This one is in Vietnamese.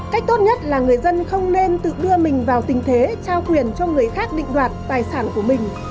cách tốt nhất là người dân không nên tự đưa mình vào tình thế trao quyền cho người khác định đoạt tài sản của mình